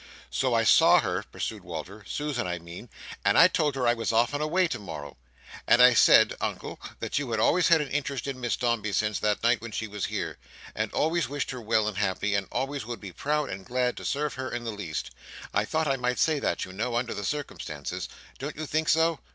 "So I saw her," pursued Walter, "Susan, I mean: and I told her I was off and away to morrow. And I said, Uncle, that you had always had an interest in Miss Dombey since that night when she was here, and always wished her well and happy, and always would be proud and glad to serve her in the least: I thought I might say that, you know, under the circumstances. Don't you think so?"